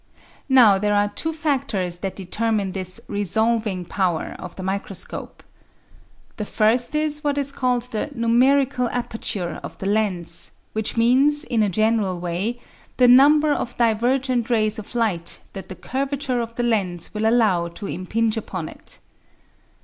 Now there are two factors that determine this "resolving" power of the microscope. The first is what is called the "numerical aper ture" of the lens, which means, in a general way, the number of divergent rays of light that the curvature of the lens will allow to impinge upon it.